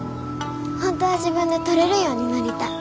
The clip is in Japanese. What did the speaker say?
本当は自分で取れるようになりたい。